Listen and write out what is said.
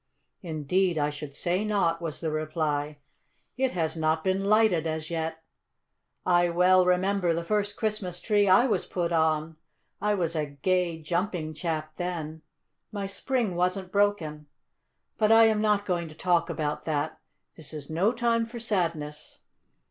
"Indeed I should say not," was the reply. "It has not been lighted as yet. I well remember the first Christmas tree I was put on. I was a gay, jumping chap then. My spring wasn't broken. But I am not going to talk about that. This is no time for sadness.